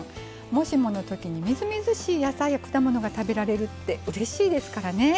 もしものときに、みずみずしい野菜や果物が食べられるってうれしいですからね。